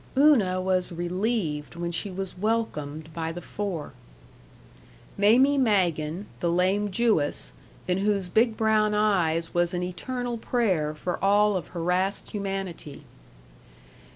Una was relieved when she was welcomed by the four: Mamie Magen, the lame Jewess, in whose big brown eyes was an eternal prayer for all of harassed humanity.